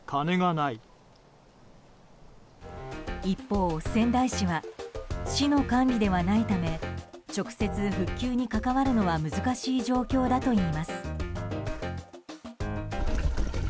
一方、仙台市は市の管理ではないため直接、復旧に関わるのは難しい状況だといいます。